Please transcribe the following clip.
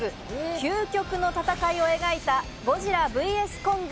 究極の戦いを描いた『ゴジラＶＳコング』。